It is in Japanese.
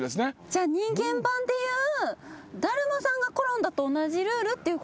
じゃあ人間版でいうだるまさんが転んだと同じルールっていうことですね。